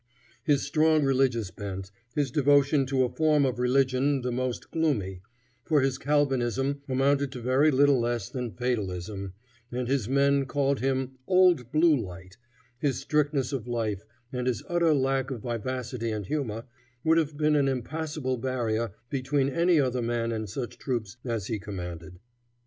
His strong religious bent, his devotion to a form of religion the most gloomy, for his Calvinism amounted to very little less than fatalism, and his men called him "old blue light," his strictness of life, and his utter lack of vivacity and humor, would have been an impassable barrier between any other man and such troops as he commanded.